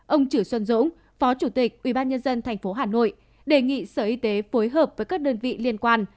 ông chử xuân dũng phó chủ tịch ubnd tp hà nội đề nghị sở y tế phối hợp với các đơn vị liên quan